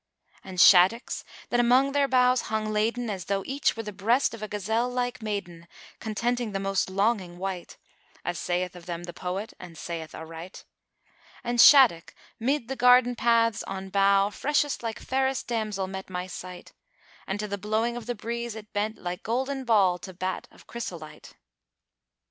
And shaddocks,[FN#406] that among their boughs hung laden as though each were the breast of a gazelle like maiden, contenting the most longing wight, as saith of them the poet and saith aright, "And Shaddock mid the garden paths, on bough * Freshest like fairest damsel met my sight; And to the blowing of the breeze it bent * Like golden ball to bat of chrysolite."